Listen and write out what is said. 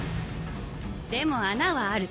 でも穴はある